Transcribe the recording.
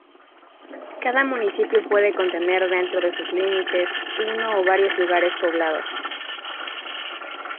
Cada municipio puede contener dentro de sus límites uno o varios lugares poblados.